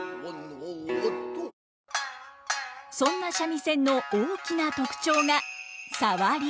そんな三味線の大きな特徴がサワリ。